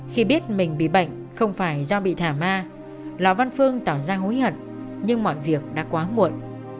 khi biết mình bị bệnh không phải do bị thả ma lò văn phương tỏ ra hối hận nhưng mọi việc đã quá muộn